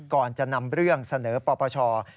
ก่อนจะนำเรื่องเสนอปปช